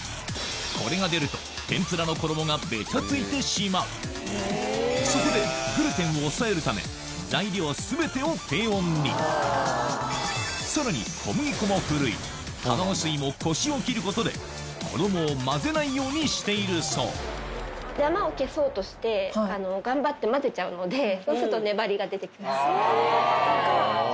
これが出ると天ぷらの衣がベチャついてしまうそこでグルテンを抑えるため材料全てを低温にさらに小麦粉もふるい卵水もコシを切ることで衣を混ぜないようにしているそうそういうことか。